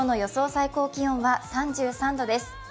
最高気温は３３度です。